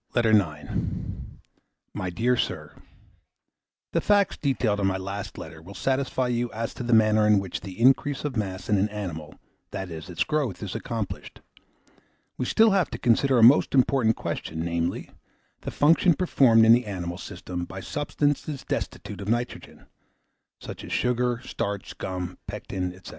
LETTER IX My dear Sir, The facts detailed in my last letter will satisfy you as to the manner in which the increase of mass in an animal, that is, its growth, is accomplished; we have still to consider a most important question, namely, the function performed in the animal system by substances destitute of nitrogen; such as sugar, starch, gum, pectine, &c.